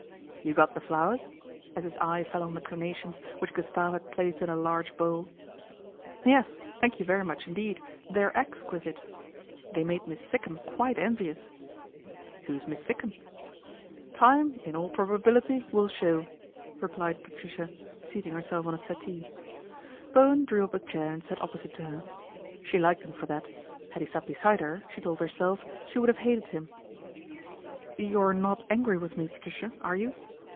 " You got the flowers ?" as his eye fell on the carnations which Gustave had placed in a large bowl. " Yes, thank you very much indeed, they're ex quisite. They made Miss Sikkum quite envious." " Who's Miss Sikkum ?"" Time, in all probability, will show," replied Patricia, seating herself on a settee. Bowen drew up a chair and sat opposite to her. She liked him for that. Had he sat beside her, she told herself, she would have hated him. " You're not angry with me, Patricia, are you